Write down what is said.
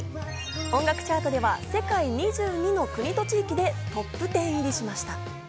音楽チャートでは世界２２の国と地域でトップ１０入りしました。